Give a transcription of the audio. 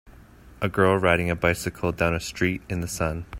A girl riding a bicycle down a street in the sun.